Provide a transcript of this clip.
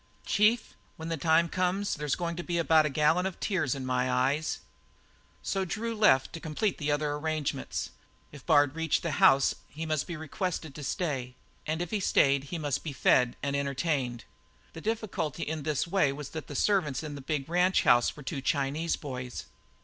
"Chief, when the time comes, there's going to be about a gallon of tears in my eyes." So Drew left him to complete the other arrangements. If Bard reached the house he must be requested to stay, and if he stayed he must be fed and entertained. The difficulty in the way of this was that the servants in the big ranchhouse were two Chinese boys.